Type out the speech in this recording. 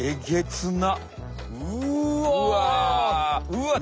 うわ！